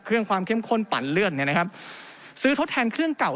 ความเข้มข้นปั่นเลื่อนเนี่ยนะครับซื้อทดแทนเครื่องเก่า